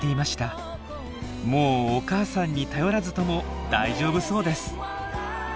もうお母さんに頼らずとも大丈夫そうです。